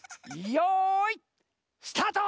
よいスタート！